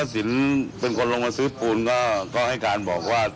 ซึ่งตอนนั้นว่าศิลป์เป็นคนลงมาซื้อภูมิก็ให้การบอกว่า